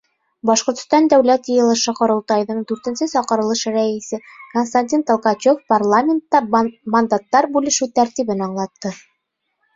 Башҡортостан Дәүләт Йыйылышы — Ҡоролтайҙың дүртенсе саҡырылыш Рәйесе Константин Толкачев парламентта мандаттар бүлешеү тәртибен аңлатты.